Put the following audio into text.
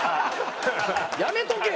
やめとけ！